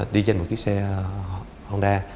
đi trên một chiếc xe honda